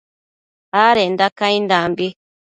adenda caindambi